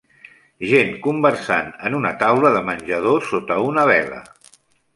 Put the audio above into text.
Gent conversant en una taula de menjador sota una vela.